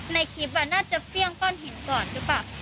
ในคลิปน่าจะเฟี่ยงก้อนหินก่อนหรือเปล่า